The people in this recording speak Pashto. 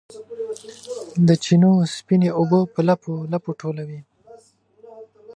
د چینو سپینې اوبه په لپو، لپو ټولوي